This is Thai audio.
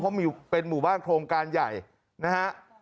เพราะมีเป็นหมู่บ้านโครงการใหญ่นะฮะ